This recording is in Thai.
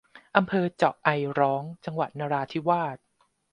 อำเภอเจาะไอร้อง จังหวัดนราธิวาส